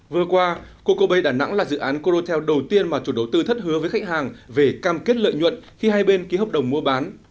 vừa qua coco bay đà nẵng là dự án codotel đầu tiên mà chủ đầu tư thất hứa với khách hàng về cam kết lợi nhuận khi hai bên ký hợp đồng mua bán